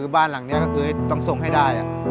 บ้านหลังนี้ก็คือต้องส่งให้ได้